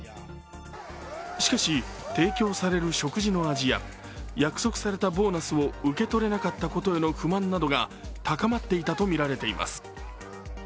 しかし提供される食事の味や約束されたボーナスを受け取れなかったことへの不満などが高まっていたとみられています。